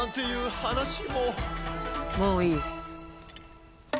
もういい。